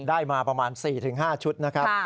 ได้มาประมาณ๔๕ชุดนะครับ